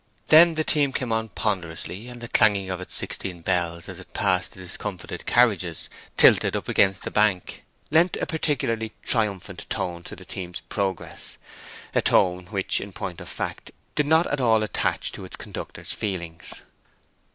Then the team came on ponderously, and the clanging of its sixteen bells as it passed the discomfited carriages, tilted up against the bank, lent a particularly triumphant tone to the team's progress—a tone which, in point of fact, did not at all attach to its conductor's feelings.